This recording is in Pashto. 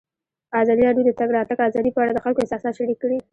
ازادي راډیو د د تګ راتګ ازادي په اړه د خلکو احساسات شریک کړي.